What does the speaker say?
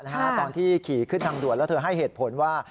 ตอนที่ขี่ขึ้นทางด่วนแล้วเธอให้เหตุผลว่า